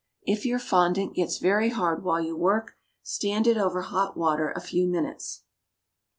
If your fondant gets very hard while you work, stand it over hot water a few minutes.